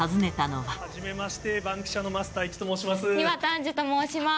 はじめまして、バンキシャの庭田杏珠と申します。